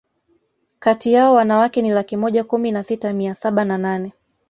kati yao wanawake ni laki moja kumi na sita mia saba na nane